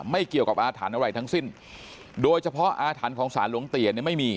ไม่เกี่ยวกับอาถรรพ์อะไรทั้งสิ้นโดยเฉพาะอาถรรพ์ของสารหลวงเตียนเนี่ยไม่มี